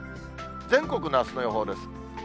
全国のあすの予報です。